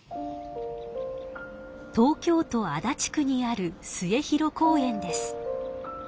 東京都足立区にある末広公園です。